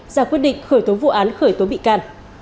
ra quyết định khởi tố vụ án khởi tố bị can